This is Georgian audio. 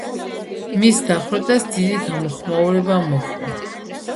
მის დახვრეტას დიდი გამოხმაურება მოჰყვა.